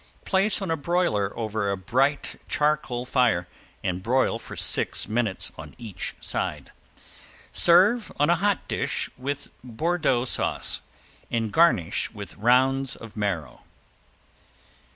Place on a broiler over a bright charcoal fire, and broil for six minutes, on each side. Serve on a hot dish with Bordeaux sauce and garnish with rounds of marrow.